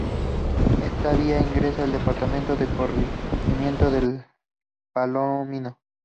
Esta vía ingresa al departamento en el corregimiento de Palomino.